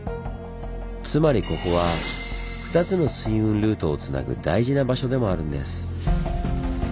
つまりここは２つの水運ルートをつなぐ大事な場所でもあるんです。